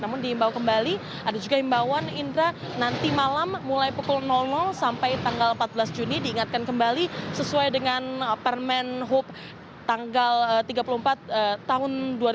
namun diimbau kembali ada juga imbauan indra nanti malam mulai pukul sampai tanggal empat belas juni diingatkan kembali sesuai dengan permen hub tanggal tiga puluh empat tahun dua ribu dua puluh